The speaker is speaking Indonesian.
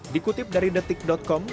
dikutip dari detik com